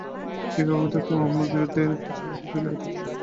চিকাগোতে তো আমার বিরুদ্ধে এরূপ কিছু না কিছু লেগে থাকত।